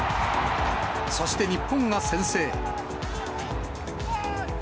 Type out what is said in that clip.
そして日本が先制。